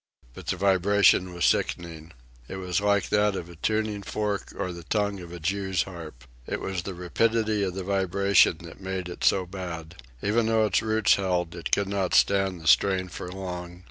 But the vibration was sickening. It was like that of a tuning fork or the tongue of a jew's harp. It was the rapidity of the vibration that made it so bad. Even though its roots held, it could not stand the strain for long.